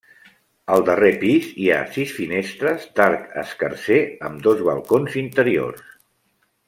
Al darrer pis hi ha sis finestres d'arc escarser, amb dos balcons interiors.